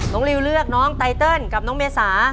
ริวเลือกน้องไตเติลกับน้องเมษา